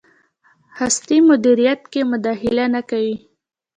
هستۍ مدیریت کې مداخله نه کوي.